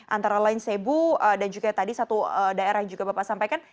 antara lain sebu dan juga tadi satu daerah yang juga bapak sampaikan